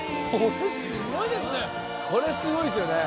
これすごいですね。